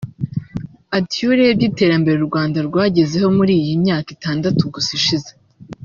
Ati “Iyo urebye iterambere u Rwanda rwagezeho muri iyi myaka itandatu gusa ishize